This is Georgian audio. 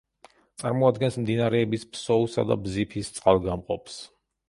წარმოადგენს მდინარეების ფსოუსა და ბზიფის წყალგამყოფს.